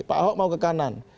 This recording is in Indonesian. pak ahok mau ke kanan